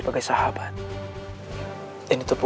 aku akan menangkapmu